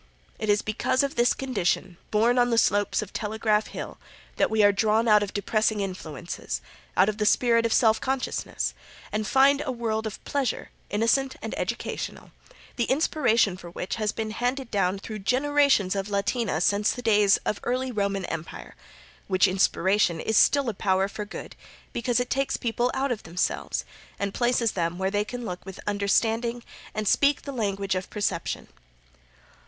It is because of this condition, born on the slopes of Telegraph Hill, that we are drawn out of depressing influences, out of the spirit of self consciousness, and find a world of pleasure, innocent and educational, the inspiration for which has been handed down through generations of Latina since the days of early Roman empire, which inspiration is still a power for good because it takes people out of themselves and places them where they can look with understanding and speak the language of perception.